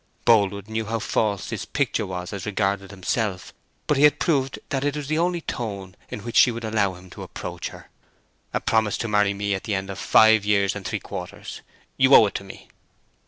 Boldwood knew how false this picture was as regarded himself; but he had proved that it was the only tone in which she would allow him to approach her. "A promise to marry me at the end of five years and three quarters. You owe it to me!"